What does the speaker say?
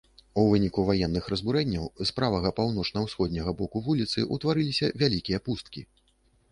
У выніку ваенных разбурэнняў з правага паўночна-ўсходняга боку вуліцы ўтварыліся вялікія пусткі.